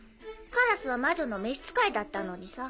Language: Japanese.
カラスは魔女の召使いだったのにさ。